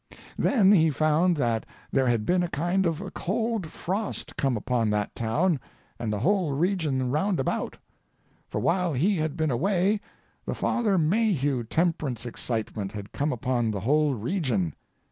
"Then he found that there had been a kind of a cold frost come upon that town and the whole region roundabout; for while he had been away the Father Mathew temperance excitement had come upon the whole region.